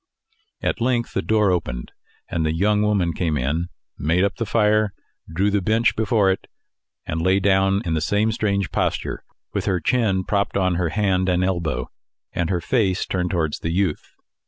At length the door opened, and the young woman came in, made up the fire, drew the bench before it, and lay down in the same strange posture, with her chin propped on her hand and elbow, and her face turned towards the youth.